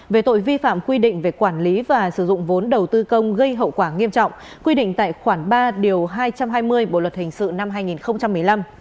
về tội vi phạm quy định về quản lý và sử dụng vốn đầu tư công gây hậu quả nghiêm trọng quy định tại khoản ba điều hai trăm hai mươi bộ luật hình sự năm hai nghìn một mươi năm